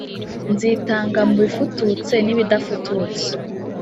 Nzitanga mu bifututse ni bidafututse